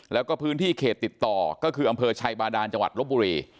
แล้วก็พื้นที่เขตติดต่อก็คืออำเภอชัยบาดานจังหวัดลบบุรี